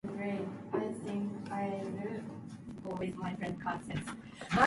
William Ellern has four children, William A., Scott A., Gillian D. and Lorita E.